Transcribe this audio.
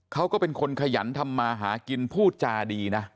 เขาก็เป็นคนขยันทำมาหากินพูดจาดีนะ